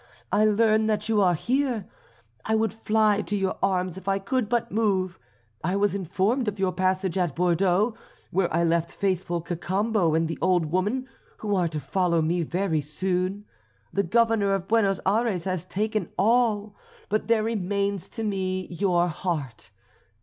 I learn that you are here. I would fly to your arms if I could but move. I was informed of your passage at Bordeaux, where I left faithful Cacambo and the old woman, who are to follow me very soon. The Governor of Buenos Ayres has taken all, but there remains to me your heart.